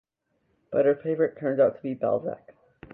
But her favourite turns out to be Balzac.